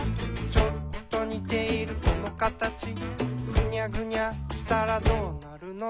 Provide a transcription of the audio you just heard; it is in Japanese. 「ちょっとにているこのカタチ」「ぐにゃぐにゃしたらどうなるの？」